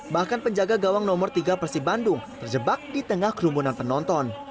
bahkan penjaga gawang nomor tiga persib bandung terjebak di tengah kerumunan penonton